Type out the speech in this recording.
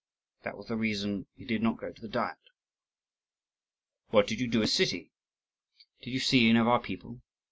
That was the reason he did not go to the Diet." "What did you do in the city? Did you see any of our people?"